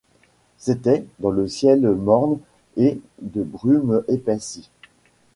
C’était, dans le ciel morne et de brume épaissi